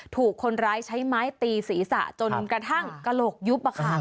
ถูกคนร้ายใช้ไม้ตีศีรษะจนกระทั่งกระโหลกยุบ